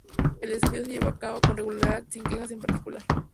El desafío se llevó a cabo con regularidad, sin quejas en particular.